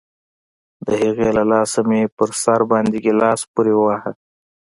د هغې له لاسه مې په سر باندې گيلاس پورې وواهه.